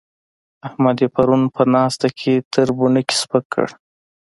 احمد يې پرون په ناسته کې تر بڼکې سپک کړ.